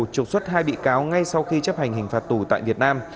trục xuất hai bị cáo ngay sau khi chấp hành hình phạt tù tại việt nam